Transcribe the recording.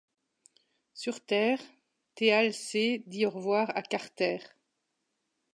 Sur Terre, Teal'c dit au revoir à Carter.